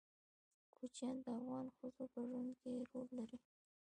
کوچیان د افغان ښځو په ژوند کې رول لري.